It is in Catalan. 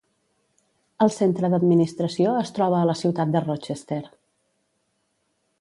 El centre d'administració es troba a la ciutat de Rochester.